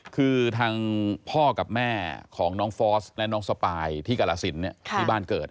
คือทางพ่อกับแม่ของน้องฟอสและน้องสปายที่กรสินที่บ้านเกิด